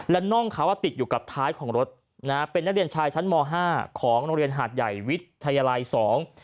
และน่องเขาอ่ะติดอยู่กับท้ายของรถนะฮะเป็นนักเรียนชายชั้นมห้าของโรงเรียนหาดใหญ่วิทยาลัยสอง